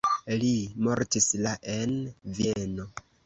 Li mortis la en Vieno.